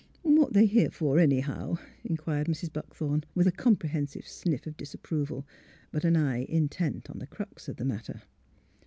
"^' What they here for, anyhow? " inquired Mrs. Buckthorn, with a comprehensive sniff of disap proval, but an eye intent on the crux of the matter.